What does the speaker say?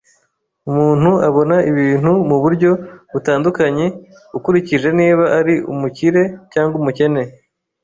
Umuntu abona ibintu mu buryo butandukanye ukurikije niba ari umukire cyangwa umukene.